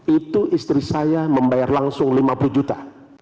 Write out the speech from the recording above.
itu istri saya membayar langsung lima puluh juta